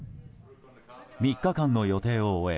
３日間の予定を終え